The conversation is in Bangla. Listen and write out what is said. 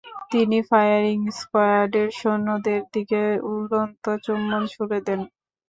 তিনি ফায়ারিং স্কোয়াডের সৈন্যদের দিকে উড়ন্ত চুম্বন ছুঁড়ে দেন।